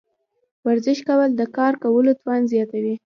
ورزش کول د کار کولو توان زیاتوي.